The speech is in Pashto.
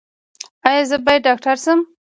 ایا زه باید ډاکټر شم؟